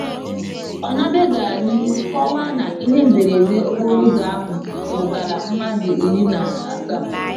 Onabe gara n'ihu kọwaa na ihe mberede okporoụzọ ahụ mètụtàrà mmadụ iri na asaa